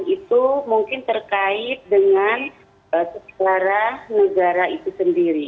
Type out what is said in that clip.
itu mungkin terkait dengan sejarah negara itu sendiri